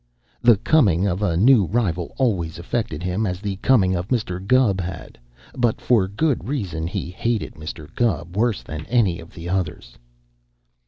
The coming of a new rival always affected him as the coming of Mr. Gubb had, but for good reason he hated Mr. Gubb worse than any of the others.